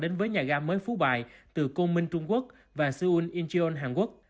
đến với nhà gà mới phú bài từ công minh trung quốc và seoul incheon hàn quốc